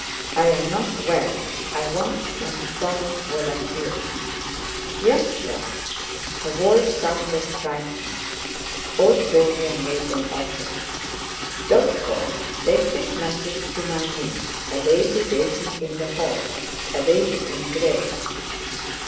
"I'm not well, I want some sal volatile." "Yes, sir." Her voice sounded frightened. Old Jolyon made an effort. "Don't go. Take this message to my niece—a lady waiting in the hall—a lady in grey.